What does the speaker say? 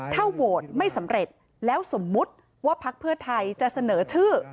ถ้าโหวตไม่สำเร็จแล้วสมมุติว่าพักเพื่อไทยจะเสนอชื่อ